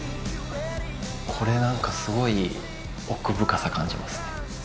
これなんかすごい奥深さ感じますね。